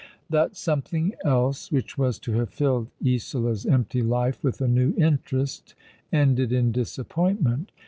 '* That " something else " which was to have filled Isola's empty life with a new interest, ended in disappointment.